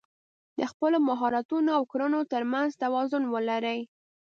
د خپلو مهارتونو او کړنو تر منځ توازن ولرئ.